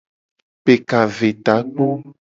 Pe ka ve takpo.